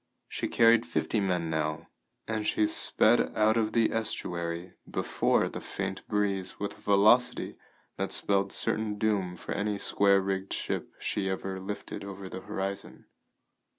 She carried fifty men now, and she sped out of the estuary before the faint breeze with a velocity that spelled certain doom for any square rigged ship she ever lifted over the horizon.